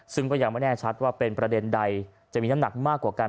ซึ่งก็ยังไม่แน่ชัดว่าเป็นประเด็นใดจะมีน้ำหนักมากกว่ากัน